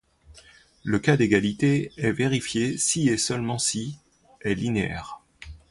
Le cas d'égalité est vérifié si et seulement si est linéaire.